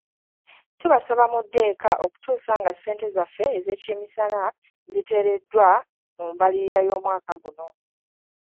Tubasaba mudde eka okutuusa nga ssente zaffe ez'ekyemisana ziteereddwa mu mbalirira y'omwaka guno.